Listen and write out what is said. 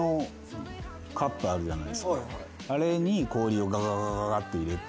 あれに氷をガガガガって入れて。